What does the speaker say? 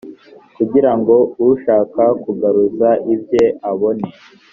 kugira ngo ushaka kugaruza ibye abone